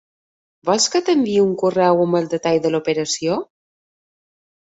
Vols que t'enviï un correu amb els detalls de l'operació?